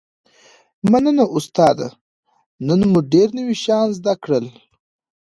مننه استاده نن مو ډیر نوي شیان زده کړل